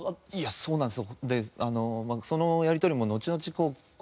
そうなんですよ。